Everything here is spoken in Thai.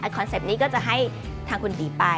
คอนเซ็ปต์นี้ก็จะให้ทางคุณตีไป